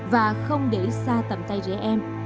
và không để xa tầm tay rẻ em